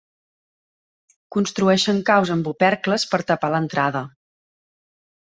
Construeixen caus amb opercles per tapar l'entrada.